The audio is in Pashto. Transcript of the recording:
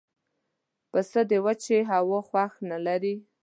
پسه د وچې هوا خوښ نه لري.